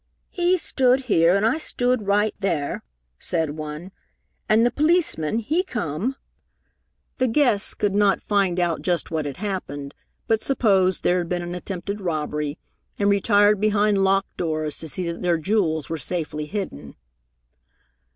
"He stood here and I stood right there," said one, "and the policeman, he come " The guests could not find out just what had happened, but supposed there had been an attempted robbery, and retired behind locked doors to see that their jewels were safely hidden.